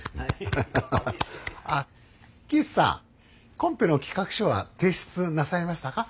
コンペの企画書は提出なさいましたか？